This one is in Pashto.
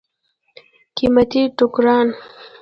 قیمتي ټوکران.